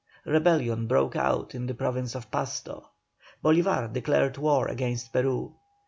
Rebellion broke out in the Province of Pasto. Bolívar declared war against Peru.